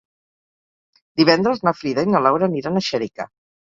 Divendres na Frida i na Laura aniran a Xèrica.